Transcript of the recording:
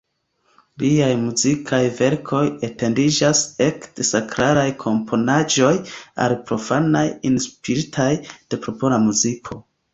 Liaj muzikaj verkoj etendiĝas ekde sakralaj komponaĵoj al profanaj inspiritaj de popola muziko.